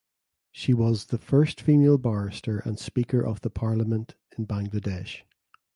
She was the first female barrister and speaker of the parliament in Bangladesh.